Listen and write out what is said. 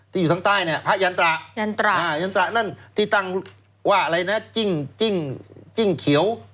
ที่อยู่ทั้งใต้พระยันตระที่ตั้งว่าจิ้งเขียว